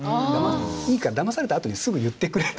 いいからだまされたあとにすぐ言ってくれと。